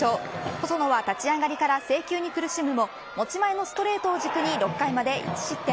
細野は立ち上がりから制球に苦しむも持ち前のストレートを軸に６回まで１失点。